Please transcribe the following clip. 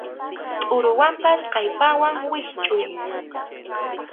Tʼuruwanpas kallpawan wischʼuy.